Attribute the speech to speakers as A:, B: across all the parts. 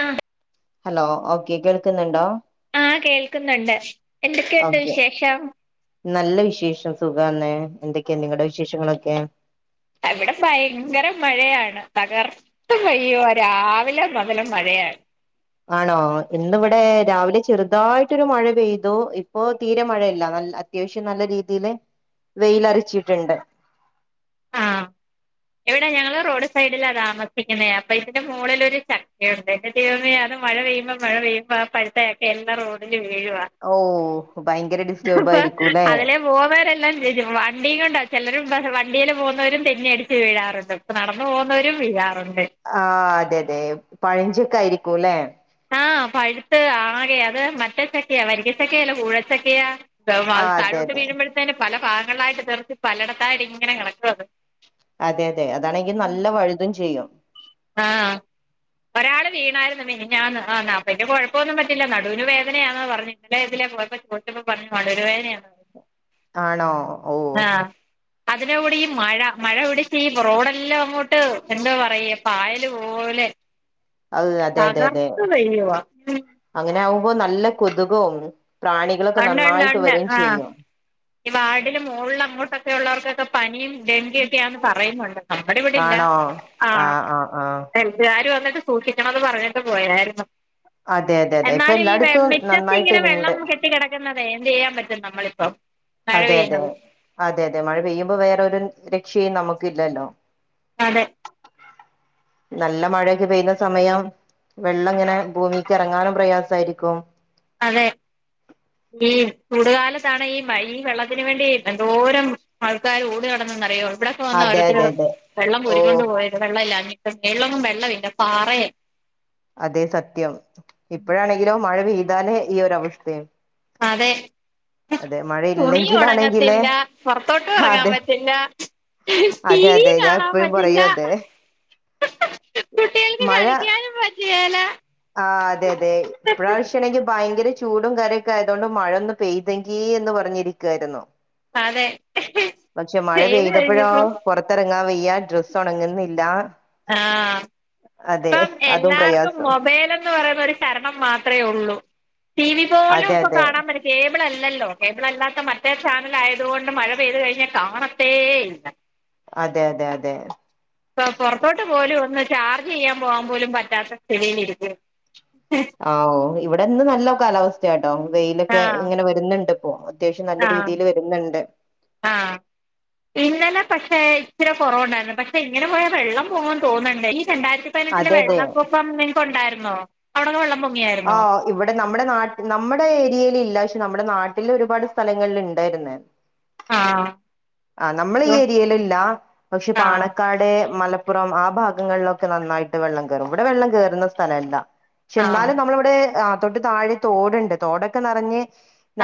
A: ആഹ്
B: hello okay കേൾക്ക്ന്ന്ണ്ടോ
A: ആഹ് കേൾക്കുന്നുണ്ട് എന്തൊക്കെയുണ്ട്
B: ഓക്കെ
A: വിശേഷം?
B: നല്ല വിശേഷം സുഖാണ്. എന്തൊക്കെ നിങ്ങടെ വിശേഷങ്ങളെക്കെ?
A: ആഹ് ഇവടെ ഭയങ്കര മഴയാണ് തകർ ത്ത് പെയ്യാ രാവിലെ മുതല് മഴയാണ്.
B: ആണോ ഇന്ന് വടെ രാവിലെ ചെറ്തായി ട്ടൊരു മഴ പെയ്തു ഇപ്പോ തീരെ മഴല്ല നല്ല അത്യാവശ്യം നല്ല രീതിയില് വെയിലരച്ചിട്ട്ണ്ട്
A: ആഹ് എവിടെ ഞങ്ങള് റോഡ് സൈഡിലാടാ നിർത്തിക്ക് ന്നെ അപ്പൊ ഇതിന്റെ മോളിലൊരു ചക്കയുണ്ട് [unintelligible] ദൈവമേ അത് മഴ പെയ്യുമ്പോ മഴ പെയ്യുമ്പോ ആ പഴുത്തക്കെ എൻ്റെ റോഡില് വീഴുവാ
B: ഓഹ് ഭയങ്കര ഡിസ്‌റ്റേബായിരിക്കുല്ലെ
A: പോവുന്നേരെല്ലാം ചോയിക്കും വണ്ടി കൊണ്ട ചിലര് പ്പ വണ്ടിലും പോവുന്നവരും തെന്നി അടിച്ച് വീഴാറുണ്ട് പ്പൊ നടന്നു പോവുന്നവരും വീഴാറുണ്ട്.
B: ആഹ് അതെ യതെ പഴഞ്ചക്കായിരിക്കൂല്ലെ
A: ആഹ് പഴ്ത്ത് ആകെ അത് മറ്റേച്ചക്കയാ വരിക്കച്ചക്കയല്ല കൂഴച്ചക്കയാ പ്പത്
B: ആ
A: അത്
B: അതെ
A: തഴോട്ട്
B: അതെ
A: വീഴുമ്പഴത്തേന് പല ഭാഗങ്ങളായിട്ട് തെറിച്ച് പലടത്തായിട്ട് ങ്ങനെ കെടക്കത്
B: അതെ യതെ അതാണെങ്കി നല്ല വഴുതും ചെയ്യും.
A: ആഹ് ഒരാള് വീണായിരുന്നു മിനിഞ്ഞാന്ന് ആഹ് നാപ്പയ്ന്റെ കൊഴപ്പമൊന്നും പറ്റില്ല നടുവിന് വേനയാന്നാ പർഞ്ഞേ ഇന്നലെ ഇതിലെ പോയപ്പോ പോയ് ച്ചപ്പോ പർഞ്ഞ് നടുവേദനയാണെന്ന് പറഞ്ഞു.
B: ആണോ ഔ
A: അതിനും കൂടീ ഈ മഴ മഴ പിടിച്ചീ റോഡെല്ലാങ്ങോട്ട് എന്താ പറയ പായല് പോലെ തകർത്ത് പെയ്യുവാ. ഉം
B: അങ്ങനാവുമ്പോ നല്ല കൊതുകും പ്രാണികളൊക്കെ
A: ഒണ്ട് ഒണ്ട്
B: നന്നായിട്ട്
A: ഒണ്ട്
B: വെരും
A: ആഹ്
B: ചെയ്യും
A: ഈ വാർഡില് മൊളിലങ്ങോട്ടൊക്കെ ഉള്ളവർക്കൊക്കെ പനിയും ഡെങ്കിയൊക്കെയാന്ന് പറയുന്നുണ്ട്. നമ്മടെ ഇവടില്ല
B: ആണോ
A: ആഹ് ഹെൽത്താര് വന്ന്ട്ട് സൂക്ഷിക്കണന്ന് പറഞ്ഞിട്ട് പോയായിര്ന്നു
B: അതെ അതെ അതെ ഇപ്പൊ
A: എന്നാലും ഈ വെ
B: എല്ലായിടത്തും
A: മിറ്റത്തി ങ്ങനെ
B: നന്നായിട്ട്ണ്ട്
A: വെള്ളം കെ ട്ടി കെടക്കുന്നുന്നത് എന്തെയ്യാൻ പറ്റും നമ്മളിപ്പം മഴ
B: അതെ യതെ
A: പെയ്യുന്നത്
B: അതെ യതെ മഴ പെയ്യുമ്പോ വേറൊരു രക്ഷയും നമക്ക്ല്ലല്ലോ
A: അതെ
B: നല്ല മഴൊക്കെ പെയ്യുന്ന സമയം വെള്ളങ്ങനെ ഭൂമിക്കെറങ്ങാനും പ്രയാസായിരിക്കും
A: അതെ ഈ ചൂടുകാലത്താണ് ഈ മഴ ഈ വെള്ളത്തിന് വേണ്ടി എന്തോരം ആൾക്കാര് ഓടി നടന്നന്നറിയോ ഇവടൊക്കെ വന്നാ
B: അതെ
A: ഓരോര്ത്തര്
B: അതെ അതെ
A: വെള്ളം
B: ഓ
A: കോരിക്കൊണ്ട് പോയെ വെള്ളല്ലാഞ്ഞിട്ട് മേളിലെങ്ങും വെള്ളമില്ല പാറയെ
B: അതെ സത്യം. ഇപ്പോഴാണെങ്കിലോ മഴ പെയ്താലൊ ഈ ഒരവസ്‌ഥേ
A: അതെ. തുണി
B: മഴയില്ലെങ്കിലാണെങ്കില്
A: ഒണങ്ങത്തില്ല പൊറത്തോട്ടു എറങ്ങാൻ
B: അതെ
A: പറ്റില്ല. ടി
B: അതെ അതെ
A: വിം
B: ഞാൻ
A: കാണാൻ
B: എപ്പോഴും
A: പറ്റില്ല.
B: പറയും അതെ മഴ
A: [unintelligible] ല്ല
B: ആഹ് അതെ യതെ ഇപ്രാവശ്യാണെങ്കി ഭയങ്കര ചൂടും കാര്യൊക്കായതോണ്ട് മഴയൊന്ന് പെയ്തെങ്കി എന്ന് പറഞ്ഞിരിക്കുവായിരുന്നു.
A: അതെ
B: പക്ഷെ മഴ
A: ചെയ്ത്
B: പെയ്തപ്പഴോ
A: കഴിഞ്ഞപ്പം
B: പൊറത്തെറങ്ങാൻ വെയ്യ ഡ്രസ്സൊണങ്ങുന്നില്ല.
A: ആ ഇപ്പം
B: അതും
A: എല്ലാവർക്കും
B: പ്രയാസം
A: മൊബൈലും പറ ശരണം മാത്രമേ ഉള്ളൂ ടി വി പോലും
B: അതെ
A: ഇ
B: അതെ
A: കാണാൻ പറ്റ കേബിൾല്ലോ കേബിള അല്ലാത്ത മറ്റേ ചാനൽ ആയതുകൊണ്ട് മഴ പെയ്തു കഴിഞ്ഞാൽ കാണത്തേ ഇല്ല.
B: അതെ അതെ അതെ
A: ഇപ്പ പുറത്തോട്ട് പോലും ഒന്ന് ചാർജ് ചെയ്യാൻ പോവാൻ പോലും പറ്റാത്ത സ്ഥിതിയില ഇരിക്കും.
B: ആഓ ഇവിടെ ഇന്ന് നല്ല കാലാവസ്ഥയാട്ടോ വെയിലൊക്കെ
A: ആഹ്
B: ഇങ്ങനെ വരുന്നുണ്ട് ഇപ്പോ. അത്യാവശ്യം നല്ല
A: ആഹ്
B: രീതിയിൽ വരുന്നുണ്ട്.
A: ആഹ് ഇന്നലെ പക്ഷെ ഇച്ചി കുറവുണ്ടായിരുന്നു പക്ഷെ ഇങ്ങനെ പോയാ വെള്ളം പോകൻ തോന്നുന്നുണ്ട്. ഈ രണ്ടായിരത്തി ത്തിലെ
B: അതെ അതെ
A: വെള്ളപക്കൊംനിങ്ങക്ക് ഉണ്ടായിരുന്നോ അവിടെക്കെ വെള്ളം പൊങ്ങിയായിരുന്നോ.
B: ആഹ് ഇവിടെ നമ്മുടെ നാട്ട നമ്മുടെ ഏരിയയിൽ ഇല്ല പക്ഷെ നമ്മുടെ നാട്ടിൽ ഒരുപാട് സ്ഥലങ്ങളിൽ ഉണ്ടായിരുന്ന്.
A: ആഹാ
B: ആ നമ്മളെ ഈ ഏരിയയില ഇല്ല പക്ഷെ
A: ആ
B: പാണക്കാട് മലപ്പ മലപ്പുറം ആ ഭാഗങ്ങളിലൊക്കെ നന്നായിട്ട് വെള്ളം കയറും. ഇവിടെ വെള്ളം കയറുന്ന സ്ഥലംഅല്ല. പക്ഷെ
A: ആ
B: എന്നാലും നമ്മ തൊട്ട് താഴെ തോടുണ്ട് തോടൊക്കെ നിറഞ്ഞ്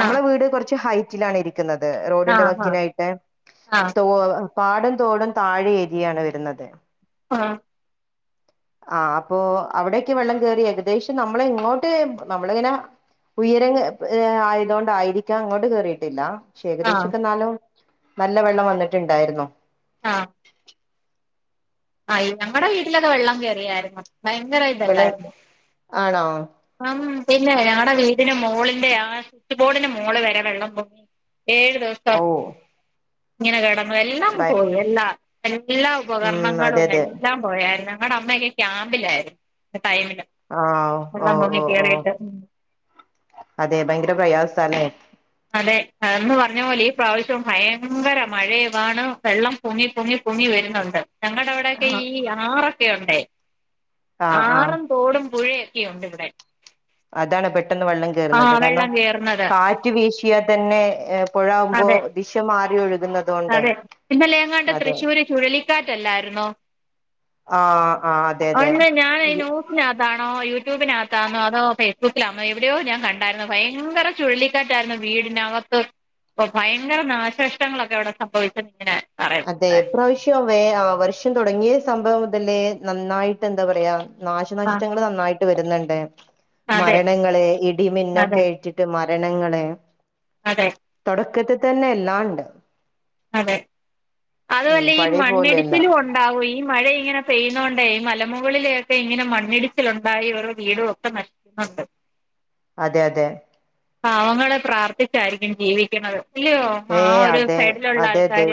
A: ആ ആ
B: വീട് കുറച്ച് ഹൈറ്റിലാണ് ഇരിക്ക ഇരികുന്നത് റോഡിന്റെ വക്കിനായിട്ട്.
A: ആഹ
B: തോ പാടും തോടും താഴെ ഏരിയാണ് വരുന്നത്
A: ആഹ
B: ആ അപ്പൊ അവിടെൊക്കെ വെള്ളം കേറി ഏകദേശം നമ്മള ഇങ്ങോട്ട് നമ്മളിങ്ങനെ. ഉയര ആയതൊണ്ടായിരിക്കാം അങ്ങോട്ട് കേറിയിട്ടില്ലക്ഷ
A: ആ
B: ഏകദേശംക്കെ എന്നാലും. നല്ല വെള്ളം വന്നിട്ടുണ്ടായിരുന്നു.
A: ആഹ് ആ ഞങ്ങളടെ വീട്ടിലത് വെള്ളം കേയറിയായിരുന്നു. ഭയങ്കരം ആയിട്ട്
B: വെള്ളം
A: എല്ലായിരുന്നു.
B: ആണോ
A: ആം പിന്നെ ഞങ്ങളടെ വീടിന് മോളിന്റെ ആ സ്വിച്ച് ബോർഡിന്റെ മോള് വരെ വെള്ളം പോയി ഏഴ് ദിവസം.
B: ഓ
A: ഇങ്ങനെ കിടന്നു എല്ലാം
B: ബൈ
A: പോയി എല്ലാ എല്ലാ
B: ഉം
A: ഉപകരണം
B: അതെ അതെ
A: എൻ പോയരുന്നു ഞങ്ങളുടെ അമ്മയക്കെ ക്യാമ്പിലായിരുന്നു ടൈമില്.
B: ആഹ് ഓ
A: എല്ലാ മങ്ങ
B: ഓ ഓ
A: കേറായിട്ട
B: അതെ ഭയങ്കര പ്രയാസ സലേ.
A: അതെ അന്ന് പറഞ്ഞ പോലെ ഈ പ്രാവശ്യം ഭയങ്കര മഴയും മണ്. വെള്ളം പുങ്ങി പുങ്ങി പുങ്ങി വരുന്നുണ്ട്. ഞങ്ങളുടെ അവിടെയൊക്കെ
B: ആഹ്
A: ഈ ആറൊക്കെ ഉണ്ട്.
B: ആഹ്
A: ആറ
B: ആഹ്
A: തോടും പുഴയൊക്കെയുണ്ട് ഇവിടെ.
B: അതാണ് പെട്ടെന്ന് വെള്ളം
A: ആ
B: കേയറുന്നത് കാരണം
A: വെള്ളം കേറുന്നത്
B: കാറ്റ് വീശിയാൽ തന്നെ. പുഴകുമ്പോ
A: അതെ
B: ദിശ്യ മാറി ഒഴുകുന്നത്.
A: അതെ ഇന്നലേങ്ങാണ്ട് തൃശ്ശൂര് ചുഴലിക്കാറ്റല്ലായിരുന്നോ.
B: ആഹ ആ അതെ അതെ
A: അല്ല ഞാൻ ഈ ന്യൂസിനകത്താണോ യൂട്യൂബിനകത്താണോ അതോ ഫേസ്ബുക്കിലാണോ എവിടെയോ ഞാൻ കണ്ടായിരുന്നു ഭയങ്കര ചുഴലി യിരുന്നു വീടിന് അക്കത് ഇപ്പൊ ഭയങ്കര നാശഷ്ടങ്ങളൊക്കെ അവിടെ സംഭവിച്ചത് ഇങ്ങനെ പറഞ്ഞു
B: അതെ പ്ര്രാവശ്യംവേ വർഷം തുടങ്ങിയ സംഭവം മുതലേ നന്നായിട്ട് എന്താ പറയാ നാശനഷ്ടങ്ങള് നന്നായിട്ട് വരുന്നുണ്ട്
A: ആ അതെ
B: മരണങ്ങള്
A: അതെ
B: ഇടിമിന്നൊക്കെ ആഴറ്റിട്ട്. മ മരണങ്ങള്
A: അതെ
B: തുടക്കത്തി തന്നെ എല്ലാം ഉണ്ട്
A: അതെ,
B: ഉം
A: അതുഅല്ല ഈ
B: പഴയ പോലെയല്ല
A: മണ്ണിടിച്ചിലു ഉണ്ടാവു, ഈ മഴ ഇങ്ങനെ പെയ്യിനോണ്ടേ ഈ മലമുകളിലേ ഒക്കെ ഇങ്ങനെ മണ്ണിടിച്ചിലുണ്ടായി വെറു വീടും ഒക്കെ നഷ് അതെ.
B: അതെ അതെ.
A: പാവങ്ങള് പ്രാർത്ഥിച്ചായിരിക്കും ജീവിക്കണുന്നത് ഇല്ലയോ? ആ
B: ഏ
A: ഒരു
B: അതെ
A: സൈ
B: അതെ അതെ,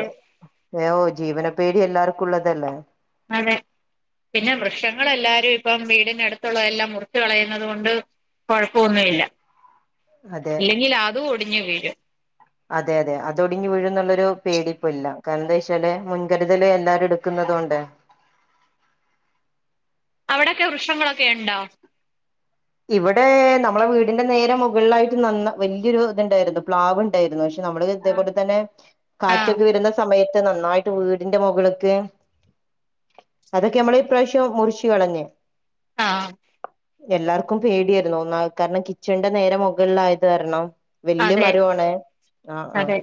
B: എ ഓ ജീവന പേടി എല്ലാർക്കുള്ളതല്ലേ.
A: അതെ. പിന്നെ വൃക്ഷങ്ങളെല്ലാരു ഇപ്പം വീടിന അടുത്തുള്ളതല്ലാം മുറിച്ച് കളയുന്നത് കൊണ്ട്. കൊഴപ്പൊന്നുല്ല.
B: അതെ
A: ഇല്ലെങ്കിൽ അതു ഒടിഞ്ഞ് വീഴും.
B: അതെ അതെ, അതൊടിഞ്ഞ് വീഴുംന്നുള്ളൊരു പേടിപ്പയില്ല, കാരണം എന്താ വെച്ചാല് മുൻകരുതല് എല്ലാരും എടുക്കുന്നതോണ്ട്.
A: അവിടെയൊക്കെ വൃക്ഷങ്ങളൊക്കെ ഉണ്ടോ?
B: ഇവിടെ നമ്മളെ വീടിന്റെ നേരെ മുകളിലായിട്ട് നന്ന വലിയൊരു ഇത്ണ്ടായിരുന്നു പ്ലാവ് ഉണ്ടായിരുന്നു. പക്ഷെ പ നമ്മള് ഇതേപോലെ തന്നെ
A: ആഹ്
B: കാറ്റൊക്കെ വരുന്ന സമയത്ത് നന്നായിട്ട് വീടിന്റെ മുകള്ക്ക്. അതൊക്കെ നമ്മള് ഇപ്രാവിശ്യം മുറിച്ച് കളഞ്ഞ്.
A: ആഹ്
B: എല്ലാർക്കും പേടിയായിരുന്നു ഒന്ന കാരണം കിച്ചൺന്റെ നേരെ മുകളിലായത് കാർണം വല്ല്യ
A: അതെ
B: മരോ ആണ്, ആഹ് ആഹ്
A: അതെ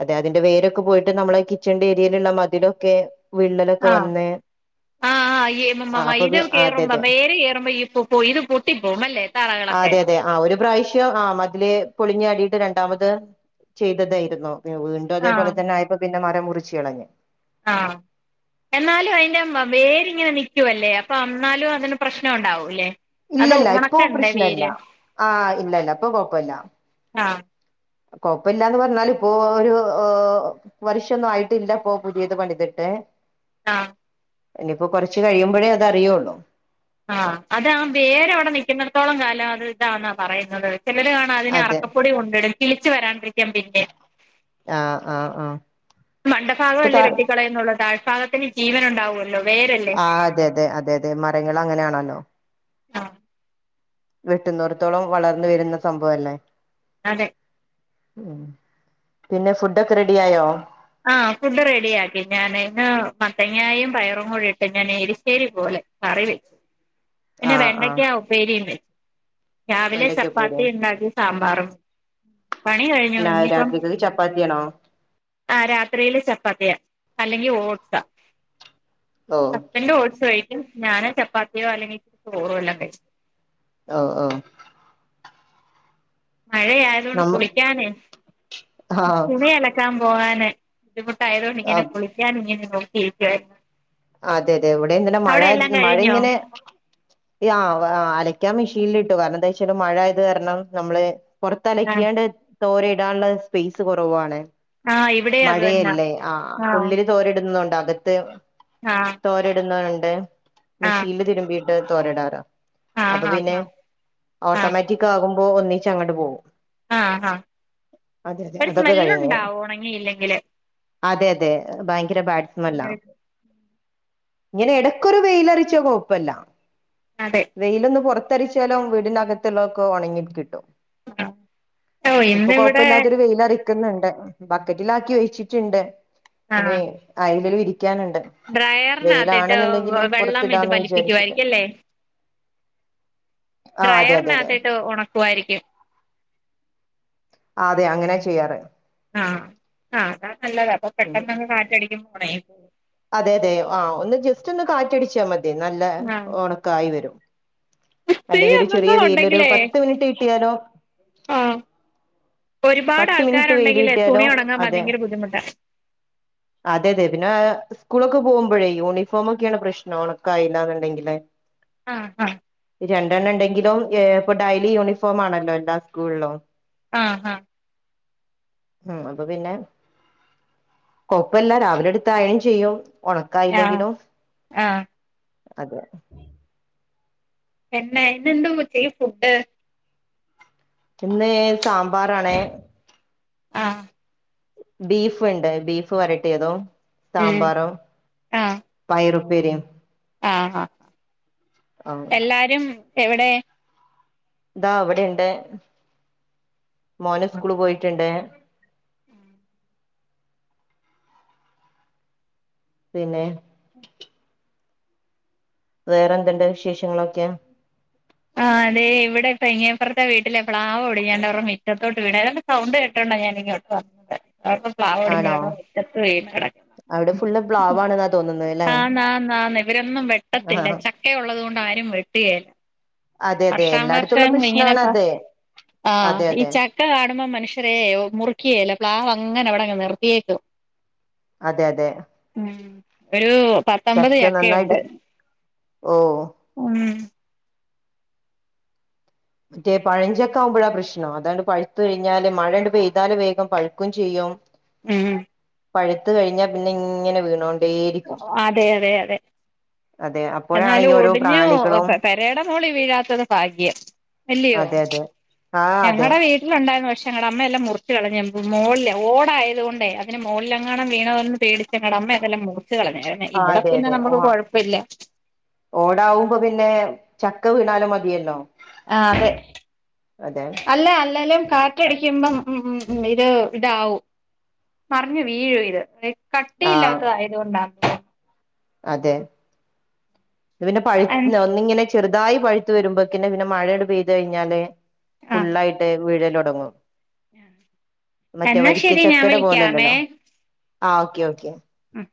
B: അതെ, അതിന്റെ വേരൊക്കെ പോയിട്ട് നമ്മളെ ഇ കിച്ചന്റെ ഏരിയയിലുള്ള മതിലൊക്കെ വിള്ളലൊക്കെ
A: ആഹ്,
B: വന്ന്
A: ആഹ് ആഹ്,
B: അപ്പൊ പി
A: [unintelligible]
B: അതെ
A: കേറുമ്പോ
B: അതെ
A: വേര് കേറുമ്പോ ഈപ്പൂ പോ ഇത് പൊട്ടി പോവുമല്ലേ?
B: അതെ അതെ, ആഹ് ഒരു പ്രാവശ്യം ആഹ് മത് തില് പൊളിഞ്ഞാടിയിട്ട് രണ്ടാമത് ചെയ്തതായിരുന്നു, വീണ്ടും
A: ആഹ്
B: അതേപോലെ തന്നെ ആയപൊ പിന്നെ മരം മുറിച്ച് കളഞ്ഞ്
A: ആഹ് എന്നാലും അയിന്റെ വേരിങ്ങനെ നിക്കുവല്ലേ അപ്പൊ എന്നാലും അതിന് പ്രശ്നം ഉണ്ടാവൂല്ലേ? അത്
B: ഇല്ലല്ല, ഇപ്പൊ
A: ഉണക്കണ്ടേ
B: പ്രശ്നല്ല.
A: വേര്
B: ആഹ് ഇല്ലല്ല, ഇപ്പൊ കൊഴപ്പല്ല.
A: ആഹ്
B: കൊഴപ്പല്ലാന്ന് പറഞ്ഞാല് ഇപ്പോ ഒരു വർഷൊന്നും ആയിട്ടില്ലപൊ പുതിയത് പണിതിട്ട്.
A: ആഹ്
B: ഇനിപ്പൊ കുറച്ച് കഴിയുമ്പോഴേ അതറിയൂള്ളൂ.
A: ആഹ്, അതാ ബേര് അവിടെ നിക്കുന്നിടത്തോളം കാലം അത് ഇതാന്നാ പറയുന്നത്? ചിലര് കാണാ അതിന്
B: അതെ
A: അറക്കപ്പൊടി കൊണ്ടടും കിളിച്ച് വരാണ്ടിരിക്കാം പിന്നെ.
B: ആഹ് ആഹ് ആഹ്. ഇപ്പൊ ത
A: മണ്ടഫാഗംല്ലേ വെട്ടിക്കളയന്നുള്ളു, താഴ്ഭാഗത്തിന് ജീവനുണ്ടാവുവല്ലോ?
B: ആഹ്, അതെ അതെ അതെ അതെ, മരങ്ങൾ അങ്ങനെയാണല്ലോ.
A: ആഹ്
B: വെട്ടുന്നോർത്തോളം വളർന്ന് വരുന്ന സംഭവല്ലേ?
A: അതെ.
B: ഉം. പിന്നെ ഫുഡൊക്കെ റെഡി ആയോ?
A: ആഹ് ഫുഡ് റെഡിയാക്കി ഞാന് ഇന്ന് മത്തങ്ങായും പയറും കൂടിയിട്ട് ഞാൻ എരിശ്ശേരി പോലെ. കറി വെച്ച്, പിന്നെ
B: ആഹ് ആഹ്
A: വെണ്ടക്കാ ഉപ്പേരിണ്ട്. രാവിലെ
B: വെണ്ടയ്ക്ക
A: ചപ്പാത്തി
B: ഉപ്പേരിയോ
A: ഇണ്ടാക്കി സാമ്പാറും. പണി കഴിഞ്ഞു.
B: പിന്നെ
A: ഇനിയിപ്പം
B: രാത്രിക്ക് ചപ്പാത്തിയാണോ
A: ആഹ്, രാത്രിയില് ചപ്പാത്തിയ, അല്ലെങ്കി ഓട്സ.
B: ഓ
A: പിന്നെ ഓഡ്സ് കഴിക്കും, ഞാന് ചപ്പാത്തിയോ അല്ലെങ്കിൽ ചോറോ, വല്ലോം കഴിച്ചും.
B: ഓ ഓഹ്
A: മഴയായത് കൊണ്ട്
B: നമ്മ
A: കുളിക്കാനെ,
B: ആഹ്
A: തുണി അലക്കാൻ പോകാന്... ബുദ്ധിമുട്ടായതോണ്ട്ങ്ങനെ കുളിക്കാനിങ്ങനെ നോക്കിയിരിക്കായിരുന്നു.
B: അതെ അതെ, ഇവിടെ ഇന്നലെ മഴായിരുന്നു, മഴ ഇങ്ങനെ... യാ വ. അലക്ക്യാൻ മെഷീനിലിട്ടു കാരണംന്താ ച്ചാല് മഴായത് കാരണം നമ്മള്
A: ആഹ്
B: പൊറത്തലക്കിയാണ്ട് തോരയിടാനുള്ള സ്പേസ് കൊറവാണ്
A: ആഹ് ഇവിടെ അത് തന്നാ
B: മഴയല്ലേ ആഹ് ഉള്ളില് തോരിടുന്നതൊണ്ട് അകത്ത്
A: ആഹ്
B: തോരഇടുന്നുണ്ട്
A: ആഹ്
B: മെഷീൻല് തിരുമ്പീയിട്ട് തോരടാറാ അപ്പൊ
A: ആഹ് ആഹ്
B: പിന്നെ
A: ആഹ്
B: ഓട്ടോമാറ്റിക്കാകുമ്പോ ഒന്നിച്ചങ്ങട്ട് പോവും
A: ആ ഹാ ഒരു
B: അതൊക്കെ കഴിഞ്ഞ്
A: സ്മെല്ലുണ്ടാവും ഒണങ്ങിയില്ലെങ്കില്
B: അതെ അതെ ഭയങ്കര ബാഡ് സ്മെല്ലാ ങ്ങനെ എടക്കൊരു വെയിലറച്ച കുഴപ്പല്ല
A: അതെ
B: വെയിലൊന്ന് പൊറത്തരച്ചാലും വീടിനകത്തുള്ളൊക്കെ ഒണങ്ങി കിട്ടും
A: ഓ
B: ഇപ്പൊ
A: ഇന്നിവിടെ
B: കൊഴപ്പല്ലാത്തൊരു വെയിലറി ക്ക്ന്ന്ണ്ട്. ബക്കറ്റിലാക്കി വെച്ചിട്ട്ണ്ട്, ഇനി
A: ആഹ്
B: അയലിൽ വിരിക്കാനുണ്ട്
A: ഡ്രയറിനകത്തിട്ട്
B: വെയിലാണെന്നുണ്ടെങ്കില്
A: വെള്ളം ഇത്
B: പുറത്തിടാന്ന് വിചാരിച്ചിട്ട്
A: വലിപ്പിക്കുവായിരിക്കല്ലേ
B: ആ അതെ അതെ അതെ
A: ഡ്രയറിനകത്തിട്ട് ഒണക്കുവായിരിക്കും
B: ആ അതെ അങ്ങനെ ചെയ്യാറ്
A: ആഹ് ആഹ് അത് നല്ലതാ അപ്പൊ പെട്ടെന്നങ്ങ് കാറ്റടിക്കും പോണേ
B: അതെ അതെ ആഹ് ഒന്ന് ജസ്റ്റ് ഒന്ന് കാറ്റടിച്ചാ മതി നല്ല
A: ആഹ്
B: ഒണക്കായി വരും
A: ഇസ്തിരി
B: അല്ലെങ്കി ഒരു ചെറിയ വെയിലൊരു
A: അംഗങ്ങളുണ്ടെങ്കിലേ
B: പത്ത് മിനിറ്റ് കിട്ടിയാലോ
A: ആഹ് ഒരുപാട്
B: പത്ത് മിനിട്ട് വെയില്
A: ആൾക്കാരുണ്ടെങ്കിലേ
B: കിട്ടിയാലോ
A: തുണി ഉണങ്ങാൻ
B: അതെ
A: ഭയങ്കര ബുദ്ധിമുട്ടാ
B: അതെതെ പിന്നെ സ്കൂളൊക്കെ പോകുമ്പോഴേ
A: ഉം
B: യൂണിഫോമൊക്കേണ് പ്രശ് ണം. ഒണക്കായില്ലാന്നുണ്ടെങ്കില്
A: ആഹ് ഹാ
B: രണ്ടെണ്ണണ്ടെങ്കിലും ഏഹ് പ്പൊ ഡയ്ലി യൂണിഫോമാണല്ലോ എല്ലാ സ്കൂൾലും
A: ആഹ് ഹാ
B: ഉം അപ്പൊ പിന്നെ കൊപ്പല്ല രാവിലെട്ത്തയേൺ ചെയ്യും
A: ആഹ്
B: ഉണക്കായില്ലെങ്കിലും
A: ആഹ്
B: അതെ
A: പെണ്ണേ ഇന്നെന്ത ഉച്ചക്യു ഫുഡ്
B: ഇന്ന് സാമ്പാറാണ്
A: ആഹ്
B: ബീഫ്ണ്ട് ബീഫ് വരട്ടിയതും
A: ഉം
B: സാമ്പാറും പയറുപ്പേരിയും
A: ആ ഹ
B: ആ
A: എല്ലാരും എവിടെ
B: ദാ അവിടെയിണ്ട് മോന് സ്കൂള് പോയിട്ട്ണ്ട് പിന്നേ വേറെന്ത്‌ണ്ട് വിശേഷങ്ങളൊക്കെ
A: ആ അതെ ഇവിടെ കങ്ങിയപ്പുറത്തെ വീട്ടിലെ പ്ലാവൊടിഞ്ഞാണ്ട് അവരുടെ മിറ്റത്തോട്ട് വീണ് ഏതാണ്ട് സൗണ്ട് കേട്ടോണ്ടോ ഞാനിങ്ങോട്ട് വന്നത് അപ്പം
B: ആണോ
A: പ്ലാവൊടിഞ്ഞവരുടെ മുറ്റത്ത് വീണ് കെടക്കുന്ന്
B: തോന്നുന്നേൽ
A: ആഹ് ന്നാ ന്നാ ഇവരൊന്നും വെട്ടത്തില്ല ചക്കയുള്ളത് കൊണ്ട് ആരും വെട്ടുകേല.
B: അതെ അതെ
A: വർഷാ
B: എല്ലായിടത്തുള്ള
A: വർഷം
B: പ്രശ്നാണ്
A: ഇങ്ങനെപ്പ
B: അത്
A: ആഹ്
B: അതെ
A: ഈ
B: അതെ
A: ച ക്ക കാണുമ്പോം മനുഷ്യരേ മുറുക്യേലാ പ്ലാവ അങ്ങനെ അവടെങ് നിർത്തിയേക്കും.
B: അതെ അതെ.
A: ഉം ഒരു പത്തമ്പത്
B: ചക്ക നന്നായിട്ട്
A: ചക്കയുണ്ട്.
B: ഓ
A: ഉം.
B: മറ്റേ പഴഞ്ചൊക്കെ ആവുമ്പോഴാ പ്രശ്നം അതണ്ട് പഴുത്ത് കയ്ഞ്ഞാല് മഴട് പെയ്താല് വേഗം പഴുക്കും ചെയ്യും.
A: ഉം.
B: പഴുത്ത് കഴിഞ്ഞാ പിന്നെ ഇങ്ങനെ വീണോണ്ടേ ഇരിക്കും.
A: അതെ അതെ അതെ.
B: അതെ അ
A: എന്നാലും ഒടിഞ്ഞു പേ പെരേടെ മോളി വീഴാത്തത് ഫാഗ്യം. എല്ലിയോ
B: അതെ അതെ ആഹ് അതെ
A: ഞങ്ങടെ വീ ട്ടില് ഉണ്ടായിരുന്നു പക്ഷേ ഞങ്ങടെ അമ്മ എല്ലാം മുറിച്ച് കളഞ് മോൾല് ഓടായതു കൊണ്ടേ അതിന് മോൾളെങ്ങാനും വീണോന്ന് പേടി ഞങടെ അമ്മ അതെല്ലാം മുറിച്ചു കളഞ്ഞെ
B: ആ
A: ഇവടെ
B: അതെ
A: പിന്നെ
B: അതെ ഓ
A: ന്നമ്മക്ക് കൊഴപ്പല്ല.
B: ഓടാവുമ്പോ പിന്നെ ചക്ക വ്ണാലും മതിയല്ലോ.
A: ആഹ് അതെ
B: അതെ
A: അല്ല അല്ലേലും കാ റ്റടിക്കുമ്പം ഉം ഉം ഉം ഇത് ഇതാവും മറിഞ്ഞു വീഴും ഇത്
B: ആഹ്
A: കട്ടിയില്ലാത്തതായതുകൊണ്ടാ.
B: അതെ, ത് പിന്നെ പഴുത് നൊ ഒന്നിങ്ങനെ ചെറുതായി പഴുത്ത് വരുമ്പോക്കിന് പിന്നെ മഴങ്ങട് പെയ്ത് കഴിഞ്ഞാലേയ്
A: ആഹ്
B: ഫുള്ളായിട്ട് വീഴലൊടങ്ങും. മറ്റേ
A: എന്നാ ശരി ഞാൻ
B: വരിക്കച്ചക്കടേ
A: വിളിക്കാമേ
B: പോലല്ലല്ലോ ആഹ് ഓക്കെ ഓക്കെ.
A: ഉം